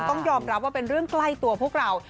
ต้องยอมรับว่าเป็นเรื่องใกล้ตัวพวกเรา